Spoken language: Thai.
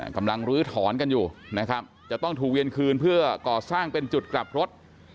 กำลังลื้อถอนกันอยู่นะครับจะต้องถูกเวียนคืนเพื่อก่อสร้างเป็นจุดกลับรถ